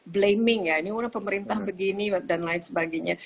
blaming ya ini udah pemerintah begini dan lain sebagainya